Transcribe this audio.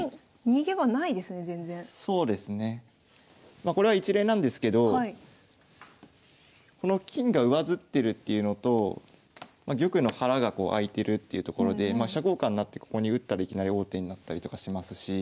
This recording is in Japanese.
まこれは一例なんですけどこの金が上ずってるっていうのと玉の腹が開いてるっていうところでまあ飛車交換になってここに打ったらいきなり王手になったりとかしますし。